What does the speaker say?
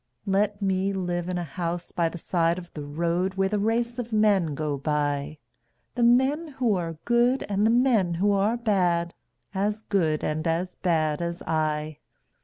Let me live in a house by the side of the road Where the race of men go by The men who are good and the men who are bad, As good and as bad as I.